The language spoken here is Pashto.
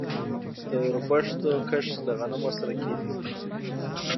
د وربشو کښت له غنمو سره کیږي.